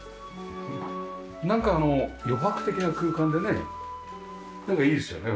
なんかあの余白的な空間でねなんかいいですよね。